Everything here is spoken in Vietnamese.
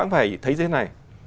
cũng phải thấy như thế này